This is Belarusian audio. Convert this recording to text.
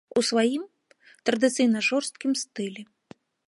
У сваім, традыцыйна жорсткім стылі.